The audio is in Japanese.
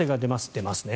出ますね。